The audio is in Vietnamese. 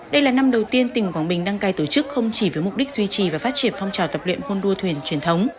đây là năm đầu tiên tỉnh quảng bình đăng cai tổ chức không chỉ với mục đích duy trì và phát triển phong trào tập luyện hôn đua thuyền truyền thống